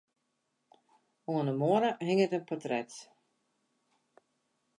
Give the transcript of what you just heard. Oan 'e muorre hinget in portret.